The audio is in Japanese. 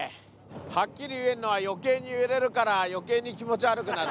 はっきり言えるのは、よけいに揺れるから、よけいに気持ち悪くなる。